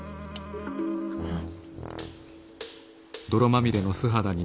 うん。